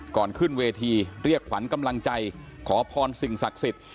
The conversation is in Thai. ก่อนขึ้นเวทีเรียกขวัญกำลังใจขอพรสิ่งศักดิ์สิทธิ์